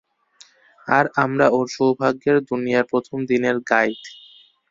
আর আমরা ওর সৌভাগ্যের দুনিয়ার প্রথম দিনের গাইড।